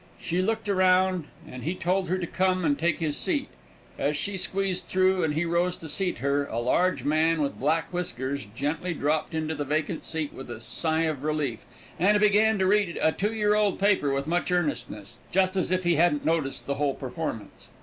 She looked around, and he told her to come and take his seat. As she squeezed through, and he rose to seat her, a large man with black whiskers gently dropped into the vacant seat with a sigh of relief, and began to read a two year old paper with much earnestness, just as if he hadn't noticed the whole performance.